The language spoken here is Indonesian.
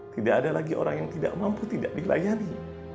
tidak ada lagi orang yang tidak mampu tidak dilayani